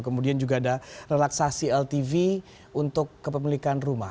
kemudian juga ada relaksasi ltv untuk kepemilikan rumah